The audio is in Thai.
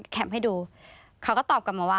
เขาก็ตอบกันมาว่า